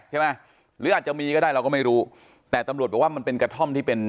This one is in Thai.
หรืออาจจะมีก็ได้เราก็ไม่รู้แต่ตำรวจบอกว่ามันเป็นกระท่อมที่เป็น